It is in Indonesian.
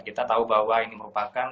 kita tahu bahwa ini merupakan